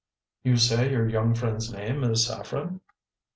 "You say your young friend's name is Saffren?"